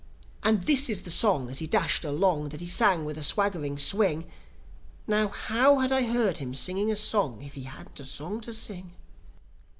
And this is the song, as he dashed along, that he sang with a swaggering swing (Now how had I heard him singing a song if he hadn't a song to sing?)